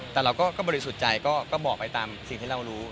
แต่เราก็บริสุทธิ์ใจก็บอกไปตามสิ่งที่เรารู้